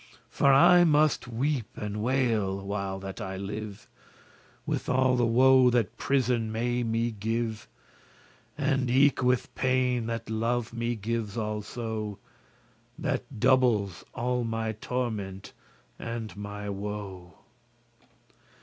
For I must weep and wail, while that I live, With all the woe that prison may me give, And eke with pain that love me gives also, That doubles all my torment and my woe."